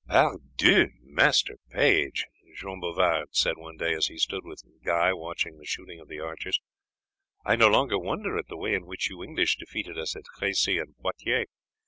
"Pardieu, master page," Jean Bouvard said one day as he stood with Guy watching the shooting of the archers, "I no longer wonder at the way in which you English defeated us at Cressy and Poitiers.